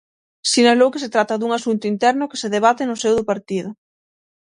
Sinalou que se trata dun asunto interno que se debate no seo do partido.